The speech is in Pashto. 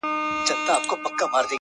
څرېدلی پسه څه شو؟